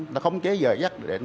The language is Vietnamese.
nó khống chế giờ giấc